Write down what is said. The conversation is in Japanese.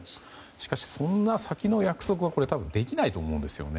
しかし、そんな先の約束はできないと思うんですよね。